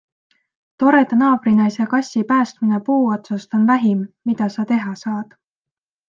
Toreda naabrinaise kassi päästmine puu otsast on vähim, mida sa teha saad.